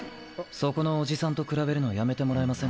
そこのおじさんと比べるのやめてもらえませんか。